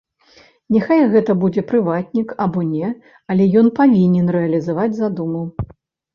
Няхай гэта будзе прыватнік або не, але ён павінен рэалізаваць задуму.